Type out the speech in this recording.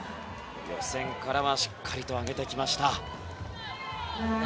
予選からはしっかりと上げてきました。